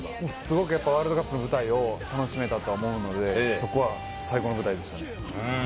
ワールドカップの舞台を楽しめたと思うので、そこは最高の舞台でしたね。